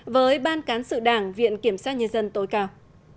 với ban cán sự đảng viện kiểm sát nhân dân tối cao